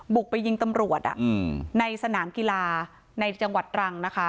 บุกไปยิงตำรวจในสนามกีฬาในจังหวัดตรังนะคะ